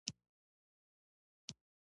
همدلته پاتې سئ.